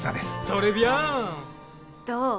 どう？